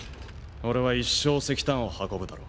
俺は一生石炭を運ぶだろう。